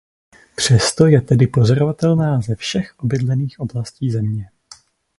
Přesto je tedy pozorovatelná ze všech obydlených oblastí Země.